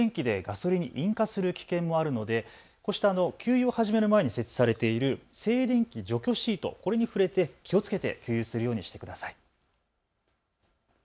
静電気でガソリンに引火する危険もあるのでの給油を始める前に設置されている静電気除去シートに触れて気をつけて給油するようにしてください。